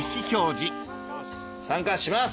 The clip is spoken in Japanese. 参加します！